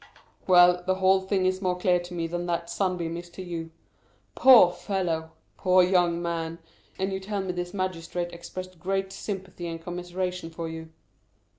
"Well, the whole thing is more clear to me than that sunbeam is to you. Poor fellow! poor young man! And you tell me this magistrate expressed great sympathy and commiseration for you?"